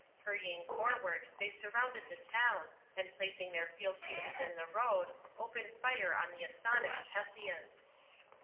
Hurrying forward they surrounded the town, and placing their field pieces in the road, opened fire on the astonished Hessians.